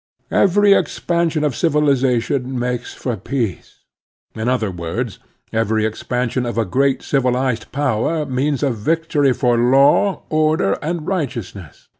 Every expansion of civilization makes for peace. In other words, every expansion of a great ^.* civilized power means a victory for law, order, y^\ and righteousness.